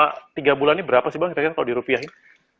nanti ini selama tiga bulan ini berapa sih bang kita lihat kalau di rupiah ini